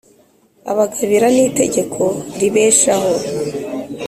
abagabira n’itegeko ribeshaho